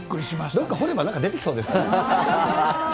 どっか掘れば、なんか出てきそうですよね。